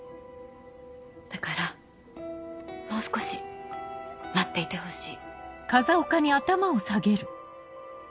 だからもう少し待っていてほしい。